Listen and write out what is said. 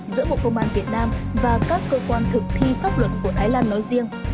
giữa bộ công an việt nam và các cơ quan thực thi pháp luật của thái lan nói riêng